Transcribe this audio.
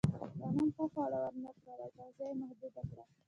غنم ښه خواړه ورنهکړل او تغذیه یې محدوده کړه.